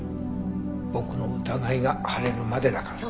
僕の疑いが晴れるまでだからさ。